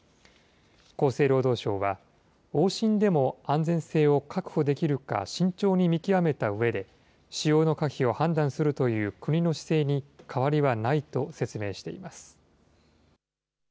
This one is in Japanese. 厚生労働省は、往診でも安全性を確保できるか慎重に見極めたうえで、使用の可否を判断するという国の姿勢に変わりはないと説明しています。